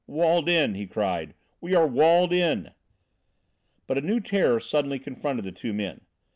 "Walled in!" he cried. "We are walled in!" But a new terror suddenly confronted the two men.